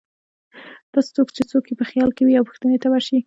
داسې څوک چې څوک یې په خیال کې وې او پوښتنې ته ورشي.